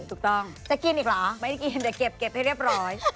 ถูกต้องจะกินอีกเหรอไม่ได้กินเดี๋ยวเก็บให้เรียบร้อย